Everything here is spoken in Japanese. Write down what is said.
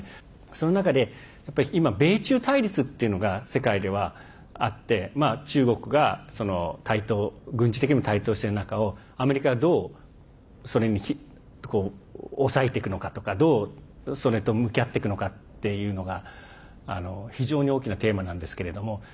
その中で今米中対立っていうのが世界ではあって中国が台頭軍事的にも台頭している中をアメリカがどう抑えていくのかとかどう、それと向き合っていくのかっていうのが非常に大きなテーマなんですけど。